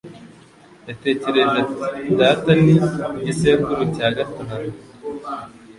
Yatekereje ati: "Data ni igisekuru cya gatanu."